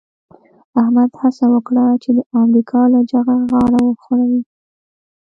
احمد هڅه وکړه چې د امریکا له جغه غاړه وغړوي.